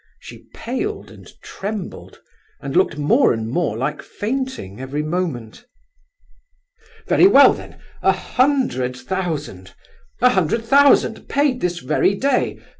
She paled and trembled, and looked more and more like fainting every moment. "Very well then, a hundred thousand! a hundred thousand! paid this very day.